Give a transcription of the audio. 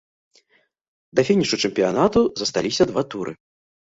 Да фінішу чэмпіянату засталіся два туры.